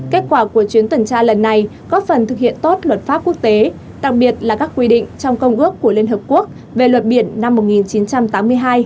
kết quả của chuyến tuần tra lần này góp phần thực hiện tốt luật pháp quốc tế đặc biệt là các quy định trong công ước của liên hợp quốc về luật biển năm một nghìn chín trăm tám mươi hai